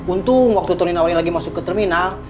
untung waktu tony nawari lagi masuk ke terminal